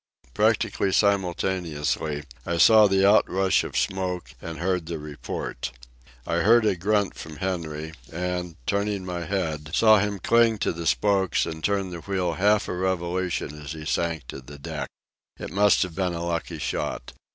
Practically simultaneously, I saw the out rush of smoke and heard the report. I heard a grunt from Henry, and, turning my head, saw him cling to the spokes and turn the wheel half a revolution as he sank to the deck. It must have been a lucky shot.